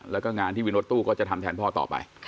แล้วก็งานที่วินรถตู้ก็จะทำแทนพ่อต่อไป